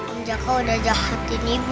om jaka udah jahatin ibu